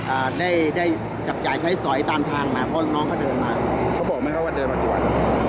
อ่าได้ได้จับจ่ายใช้สอยตามทางมาเพราะน้องเขาเดินมาเขาบอกไหมครับว่าเดินมาด่วน